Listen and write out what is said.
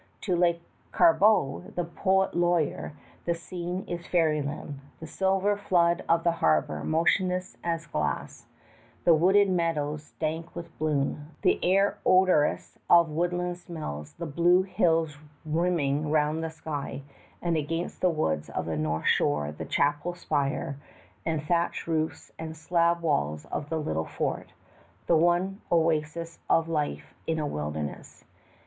To Lescarbot, the poet lawyer, the scene is a fairyland the silver flood of the harbor motionless as glass, the wooded meadows dank with bloom, the air odorous of woodland smells, the blue hills rimming round the sky, and against the woods of the north shore the chapel spire and thatch roofs and slab walls of the little fort, the one oasis of life in a wilderness.